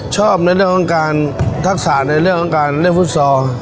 ชอบในเรื่องของการทักษะในเรื่องของการเล่นฟุตซอล